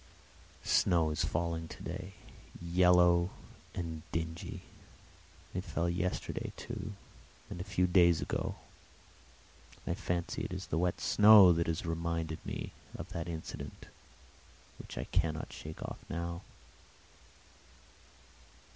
Snow is falling today, yellow and dingy. It fell yesterday, too, and a few days ago. I fancy it is the wet snow that has reminded me of that incident which I cannot shake off now.